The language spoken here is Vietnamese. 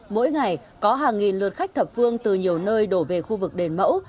mỗi ngày có hàng nghìn lượt khách thập phương từ nhiều nơi đổ về khu vực đền mẫu